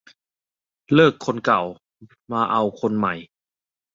เลิกคนเก่ามาเอาคนใหม่